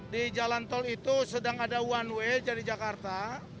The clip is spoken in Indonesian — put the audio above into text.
di jalan tol itu sedang ada one way dari jakarta